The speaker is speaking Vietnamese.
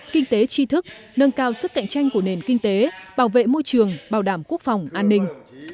kinh tế tri thức nâng cao sức cạnh tranh của nền kinh tế bảo vệ môi trường bảo đảm quốc phòng an ninh